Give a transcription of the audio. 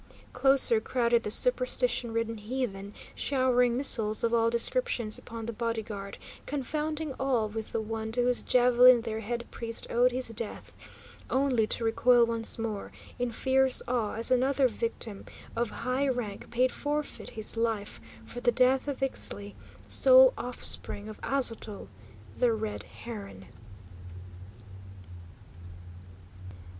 Closer crowded the superstition ridden heathen, showering missiles of all descriptions upon the body guard, confounding all with the one to whose javelin their head priest owed his death, only to recoil once more, in fierce awe, as another victim of high rank paid forfeit his life for the death of Ixtli, sole offspring of Aztotl, the Red Heron.